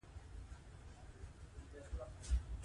پکتیا د افغان ځوانانو د هیلو استازیتوب کوي.